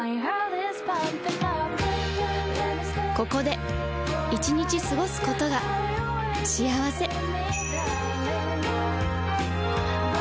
ここで１日過ごすことが幸せ